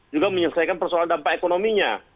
juga menyelesaikan persoalan dampak ekonominya